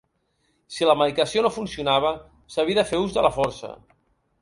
Si la medicació no funcionava, s’havia de fer ús de la força.